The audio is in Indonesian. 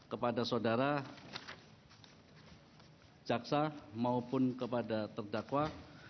kepada saudara jaksa maupun kepada terdakwa